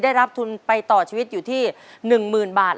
ได้รับทุนไปต่อชีวิตอยู่ที่๑๐๐๐บาท